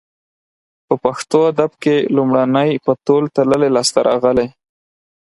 په پښتو ادب کې لومړنۍ په تول تللې لاسته راغلې